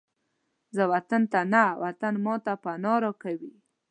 زه وطن ته نه، وطن ماته پناه راکوي